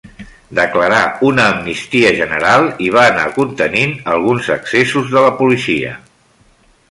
Declarà una amnistia general i va anar contenint alguns excessos de la policia.